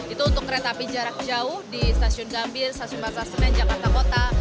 itu untuk kereta api jarak jauh di stasiun gambir stasiun pasar senen jakarta kota